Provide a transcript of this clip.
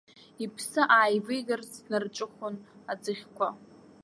Иԥсы ааивигарц днарҿыхәон аӡыхьқәа.